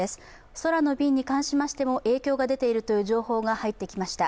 空の便に関しましても影響が出ているという情報が入ってきました。